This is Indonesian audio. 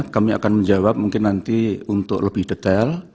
kami akan menjawab mungkin nanti untuk lebih detail